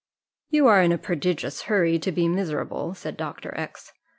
"You are in a prodigious hurry to be miserable," said Dr. X